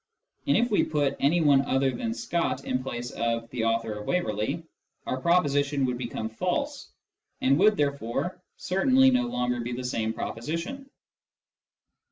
And if we put anyone other than Scott in place of " the author of Waverley," our proposition would become false, and would therefore certainly no longer be the same proposition.